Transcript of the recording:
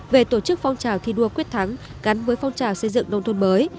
về tổ chức phong trào thi đua quyết thắng gắn với phong trào xây dựng nông thôn mới